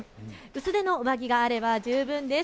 薄手の上着があれば十分です。